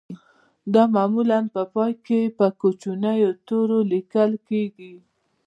دا معمولاً په پای کې په کوچنیو تورو لیکل کیږي